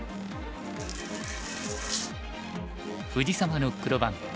藤沢の黒番。